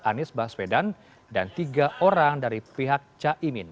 anies baswedan dan tiga orang dari pihak cah imin